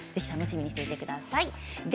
楽しみにしていてください。